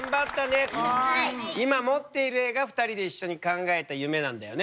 今持っている絵が２人で一緒に考えた夢なんだよね。